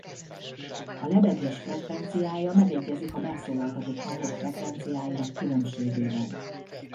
A lebegés frekvenciája megegyezik a megszólaltatott hangok frekvenciáinak különbségével.